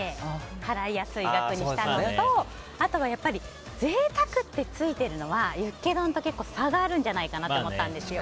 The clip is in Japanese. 払いやすい額にしたのとあとは、贅沢ってついているのはユッケ丼と結構差があるんじゃないかなと思ったんですよ。